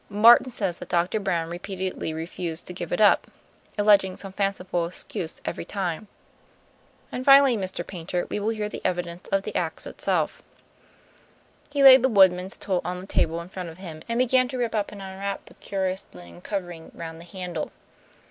Martin says that Doctor Brown repeatedly refused to give it up, alleging some fanciful excuse every time. And, finally, Mr. Paynter, we will hear the evidence of the ax itself." He laid the woodman's tool on the table in front of him, and began to rip up and unwrap the curious linen covering round the handle.